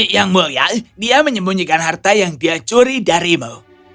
yang mulia dia menyembunyikan harta yang dia curi darimu